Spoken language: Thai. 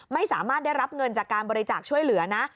ไม่สามารถได้รับเงินจากการบริจาคช่วยเหลือนะ